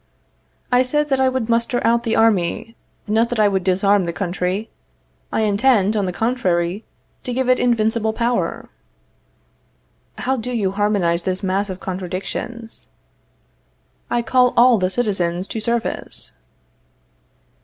I said that I would muster out the army, not that I would disarm the country. I intend, on the contrary, to give it invincible power. How do you harmonize this mass of contradictions? I call all the citizens to service.